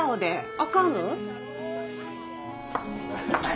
あかんの？